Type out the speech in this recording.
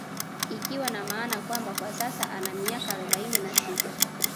Ikiwa na maana kwamba kwa sasa ana miaka arobaini na sita